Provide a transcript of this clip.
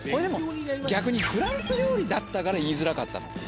逆にフランス料理だったから言いづらかったのかな？